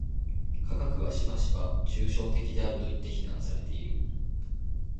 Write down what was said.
科学はしばしば抽象的であるといって非難されている。